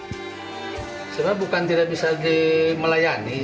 sebenarnya bukan tidak bisa dilayani